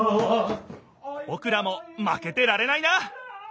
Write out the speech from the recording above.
ぼくらもまけてられないな！